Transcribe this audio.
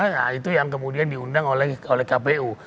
nah itu yang kemudian diundang oleh kpu